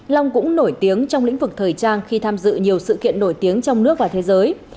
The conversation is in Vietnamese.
long cũng nổi tiếng trong lĩnh vực thời trang khi tham dự nhiều sự kiện nổi tiếng trong nước và thế giới